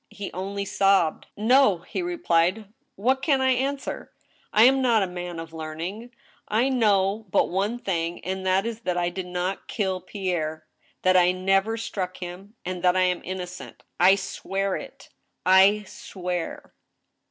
* He only sobbed. " No," he replied, " What can I answer ?... I am not a man of learning; I know but one thing, and that is that I did not kill Pierre, that I never struck him, and that I am innocent* ... I swear it, ... I swear